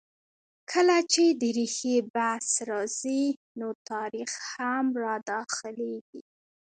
کله چې د ریښې بحث راځي؛ نو تاریخ هم را دا خلېږي.